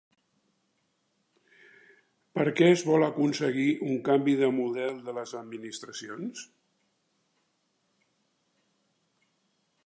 Per a què es vol aconseguir un canvi de model de les administracions?